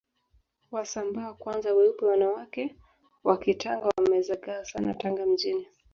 Wasambaa kwanza weupe wanawake wa kitanga wamezagaa Sana Tanga mjini